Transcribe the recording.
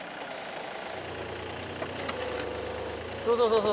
そうそうそうそう。